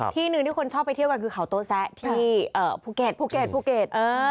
ที่หนึ่งที่คนชอบไปเที่ยวกันคือเขาโต๊แซะที่ภูเก็ตภูเก็ตภูเก็ตภูเก็ต